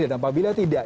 dan apabila tidak